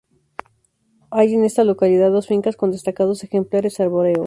Hay en esta localidad dos fincas con destacados ejemplares arbóreos.